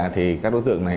thì các đối tượng này